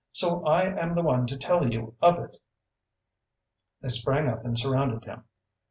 "So I am the one to tell you of it!" They sprang up and surrounded him.